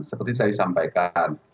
seperti saya sampaikan